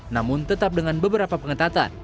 namun tetap dengan beberapa pengetatan